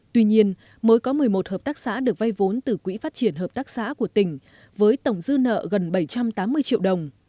tuy nhiên mới có một mươi một hợp tác xã được vay vốn từ quỹ phát triển hợp tác xã của tỉnh với tổng dư nợ gần bảy trăm tám mươi triệu đồng